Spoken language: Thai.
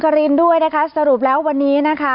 รินด้วยนะคะสรุปแล้ววันนี้นะคะ